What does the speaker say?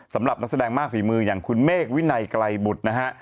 สำหรับนักแสดงมากฝีมืออย่างคุณเมฆวินัยไกลบุตรนะฮะ